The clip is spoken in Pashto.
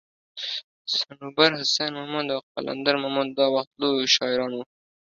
صنوبر حسين مومند او قلندر مومند دا وخت لوي شاعران وو